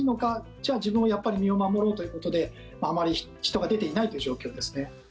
じゃあ、やっぱり自分の身を守ろうということであまり人が出ていないという状況ですね。